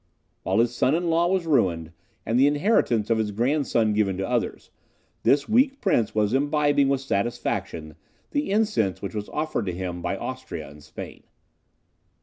While his son in law was ruined, and the inheritance of his grandson given to others, this weak prince was imbibing, with satisfaction, the incense which was offered to him by Austria and Spain.